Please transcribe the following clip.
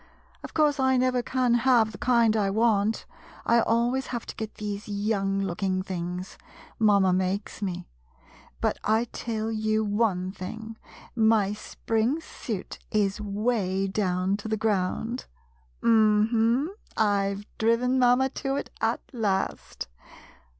Of course, I never can have the kind I want; I always have to get these young looking things — mamma makes me — but I tell you one thing — my spring suit is 'way down to the ground. Um hum, I 've driven mamma to it at last.